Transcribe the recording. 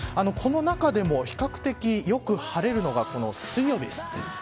この中でも比較的よく晴れるのが水曜日です。